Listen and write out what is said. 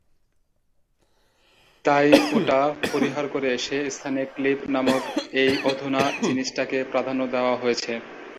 তাই ওটা পরিহার করে সে স্থানে ক্লিপ নামক এই অধুনা জিনিসটাকে প্রাধান্য দেওয়া হয়েছে।